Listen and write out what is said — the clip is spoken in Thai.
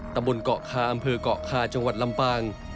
ตำบลเกาะคาอำเภอกเกาะคาจังหวัดลำปาง